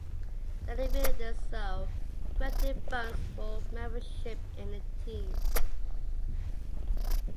The Infinitors, though, granted Bones full membership in the team.